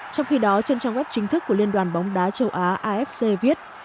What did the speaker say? trong khi đó trên trang web chính thức của liên đoàn bóng đá châu á afc viết